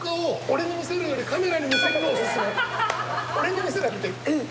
俺に見せなくていい！